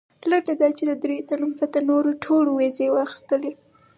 لنډه دا چې د درېیو تنو پرته نورو ټولو ویزې واخیستلې.